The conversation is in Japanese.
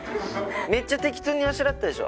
メッチャ適当にあしらったでしょ？